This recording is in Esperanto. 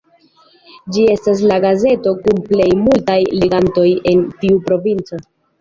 Ĝi estas la gazeto kun plej multaj legantoj en tiu provinco.